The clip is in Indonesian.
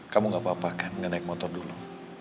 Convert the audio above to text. kamu gak apa apa kan ngenaik motor dulu